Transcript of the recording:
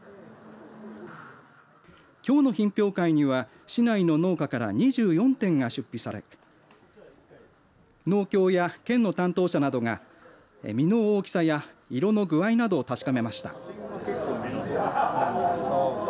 きょうの品評会には市内の農家から２４点が出品され農協や県の担当者などが実の大きさや色の具合などを確かめました。